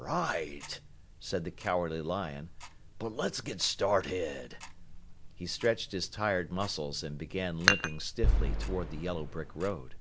"Right," said the Cowardly Lion, "but let's get started!" He stretched his tired muscles and began limping stiffly toward the yellow brick road.